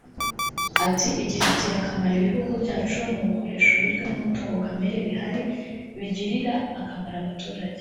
Ati “Igifitiye akamaro ibihugu byacu ni ugukoresha uburyo n’umutungo kamera bihari bigirira akamaro abaturage